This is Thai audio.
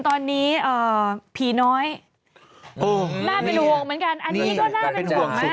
ตอนนี้ผีน้อยน่าเป็นห่วงเหมือนกันอันนี้ก็น่าเป็นห่วงมาก